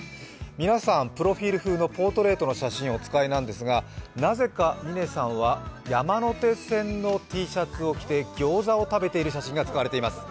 皆さん、プロフィール風のポートレートの写真をお使いですがなぜか嶺さんは山手線のＴシャツを着てギョーザを食べている写真が使われています。